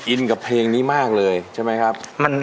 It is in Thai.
อินกับเพลงนี้มากเลยใช่ไหมครับ